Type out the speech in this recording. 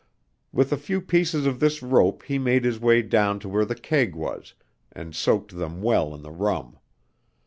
With a few pieces of this rope he made his way down to where the keg was, and soaked them well in the rum.